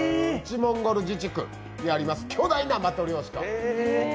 モンゴル自治区にあります巨大なマトリョーシカ。